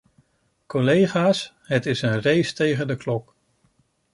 Collega's, het is een race tegen de klok.